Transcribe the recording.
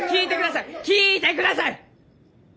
聞いてください！